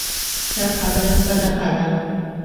ښه خبره صدقه ده